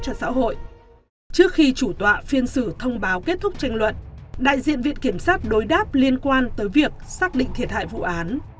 trước khi chủ tọa phiên xử thông báo kết thúc tranh luận đại diện viện kiểm sát đối đáp liên quan tới việc xác định thiệt hại vụ án